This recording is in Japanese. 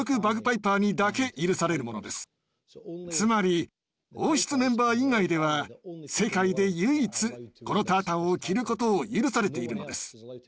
つまり王室メンバー以外では世界で唯一このタータンを着ることを許されているのです。